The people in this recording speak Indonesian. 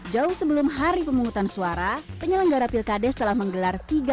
jauh sebelum hari pemungutan suara penyelenggara pilkada telah menggelar tiga